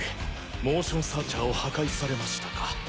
モーションサーチャーを破壊されましたか。